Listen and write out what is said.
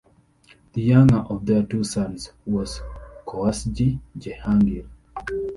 The younger of their two sons was Cowasji Jehangir.